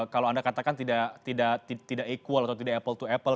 kalau anda katakan tidak equal atau tidak apple to apple